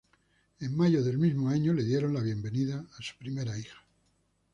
En mayo del mismo año le dieron la bienvenida a su primera hija.